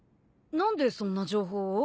何でそんな情報を？